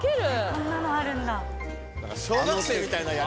こんなのあるんだ。